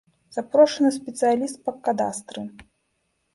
Запрошаны спецыяліст па кадастры.